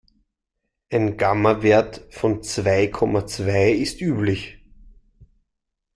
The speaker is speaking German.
Ein Gamma-Wert von zwei Komma zwei ist üblich.